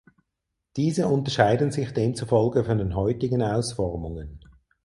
Diese unterscheiden sich demzufolge von den heutigen Ausformungen.